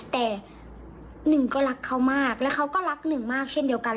แต่หนึ่งก็รักเขามากแล้วเขาก็รักหนึ่งมากเช่นเดียวกัน